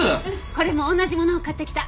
これも同じものを買ってきた。